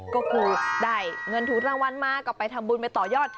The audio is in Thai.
ก็คือได้เงินถูกรางวัลมาก็ไปทำบุญไปต่อยอด